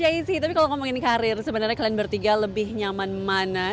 kiai sih tapi kalau ngomongin karir sebenarnya kalian bertiga lebih nyaman mana